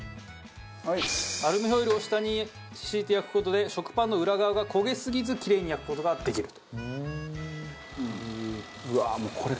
アルミホイルを下に敷いて焼く事で食パンの裏側が焦げすぎずキレイに焼く事ができると。